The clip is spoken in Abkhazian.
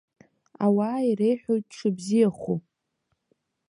Ауаа иреиҳәоит дшыбзиахәу.